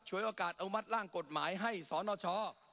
ช่วยโอกาสเอามัดล่างกฎหมายให้สนช